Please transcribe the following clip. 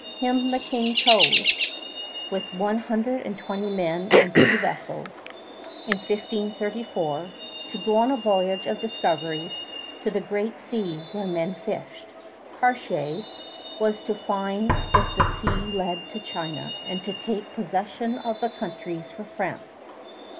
Him the King chose, with one hundred and twenty men and two vessels, in 1534, to go on a voyage of discovery to the great sea where men fished. Cartier was to find if the sea led to China and to take possession of the countries for France.